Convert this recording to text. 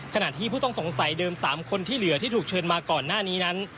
ขณะที่ผู้ต้องสงสัยเดิม๓คนที่เหลือที่ถูกเชิญมาก่อนหน้านี้นั้น